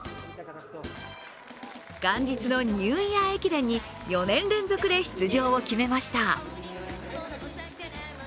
元日のニューイヤー駅伝に４年連続で出場を決めました。